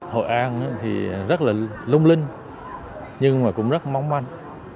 hội an thì rất là lung linh nhưng mà cũng rất mong manh